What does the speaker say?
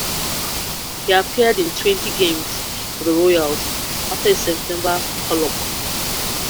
He appeared in twenty games for the Royals after a September call-up.